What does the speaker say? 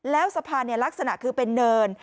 แล้วสะพานลักษณะคือเป็นเนิน